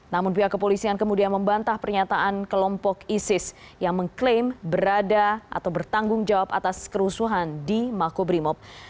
namun pihak kepolisian kemudian membantah pernyataan kelompok isis yang mengklaim berada atau bertanggung jawab atas kerusuhan di makobrimob